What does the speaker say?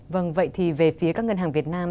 vâng vậy thì về phía các ngân hàng việt nam